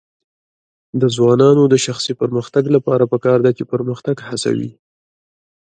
د ځوانانو د شخصي پرمختګ لپاره پکار ده چې پرمختګ هڅوي.